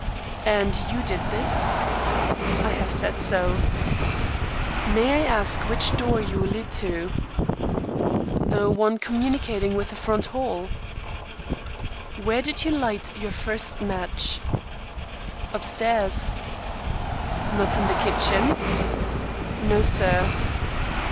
"And you did this?" "I have said so." "May I ask which door you allude to?" "The one communicating with the front hall." "Where did you light your first match?" "Upstairs." "Not in the kitchen?" "No, sir."